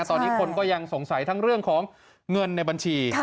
ตอนนี้คนก็ยังสงสัยทั้งเรื่องของเงินในบัญชี